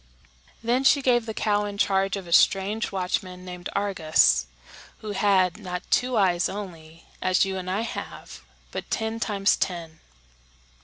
Then she gave the cow in charge of a strange watchman named Argus, who had, not two eyes only, as you and I have, but ten times ten.